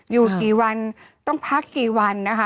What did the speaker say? อยู่กี่วันต้องพักกี่วันนะคะ